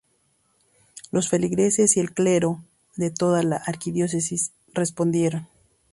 Los feligreses y el clero de toda la Arquidiócesis respondieron.